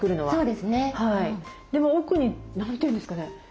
でも奥に何て言うんですかね。